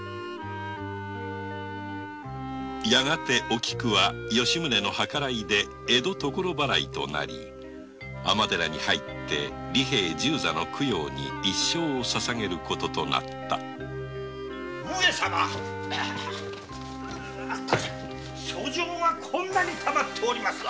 お菊は吉宗のはからいで「江戸所払い」となり尼寺に入って利平十三の供養に一生を捧げる事になった上様書類がこんなにたまっております。